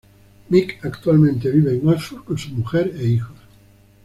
Mick actualmente vive en Oxford con su mujer e hijos.